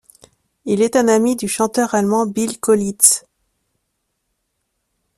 Il est un ami du chanteur allemand Bill Kaulitz.